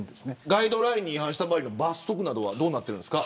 ガイドラインに違反した場合の罰則などはどうなんですか。